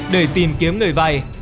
để tìm kiếm người vay